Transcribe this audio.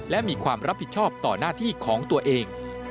และมีความรับผิดชอบต่อหน้าที่ของตัวเอง